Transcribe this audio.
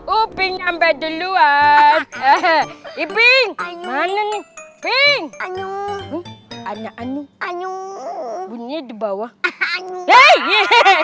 uping sampai duluan hehehe iping mana nih ping anu anu anu anu bunyi di bawah hehehe